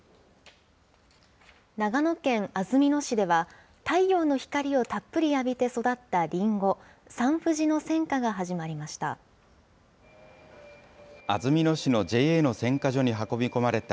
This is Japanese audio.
長野県安曇野市では、太陽の光をたっぷり浴びて育ったりんご、サンふじの選果が始まりました。